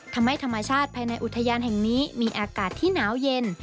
ธรรมชาติภายในอุทยานแห่งนี้มีอากาศที่หนาวเย็น